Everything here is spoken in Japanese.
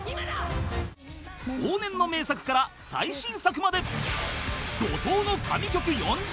［往年の名作から最新作まで怒濤の］